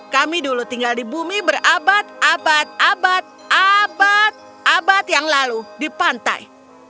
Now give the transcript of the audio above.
kami dulu tinggal di bumi berabad abad abad abad abad yang lalu di pantai